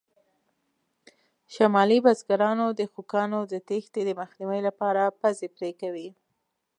شمالي بزګران د خوکانو د تېښتې د مخنیوي لپاره پزې پرې کوي.